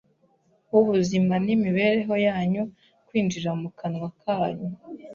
w’ubuzima n’imibereho yanyu kwinjira mu kanwa kanyu.